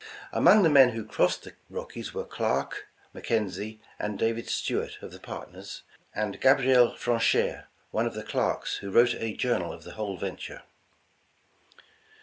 Among the men who crossed the Rockies were Clark, McKenzie and David Stuart of the partners, and Gabriel Franchere, one of the clerks who wrote a journal of the whole venture.